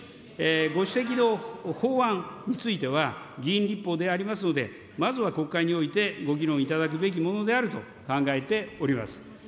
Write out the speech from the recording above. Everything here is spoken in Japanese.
ご指摘の法案については、議員立法でありますので、まずは国会においてご議論いただくべきものであると考えております。